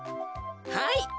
はい。